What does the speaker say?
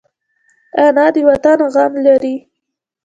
انا د وطن غم لري